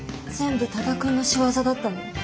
全部多田くんの仕業だったの？